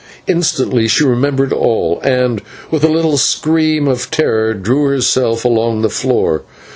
Instantly she remembered all, and, with a little scream of terror, drew herself along the floor.